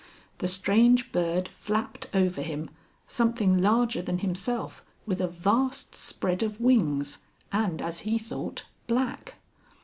The strange bird flapped over him, something larger than himself, with a vast spread of wings, and, as he thought, black.